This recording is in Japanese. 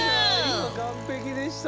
「今、完璧でした！」